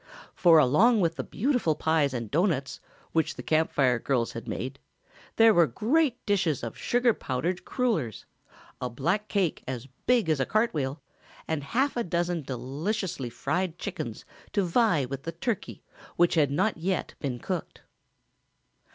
For along with the beautiful pies and doughnuts, which the Camp Fire girls had made, there were great dishes of sugar powdered crullers, a black cake as big as a cart wheel and half a dozen deliciously fried chickens to vie with the turkey which had not yet been cooked.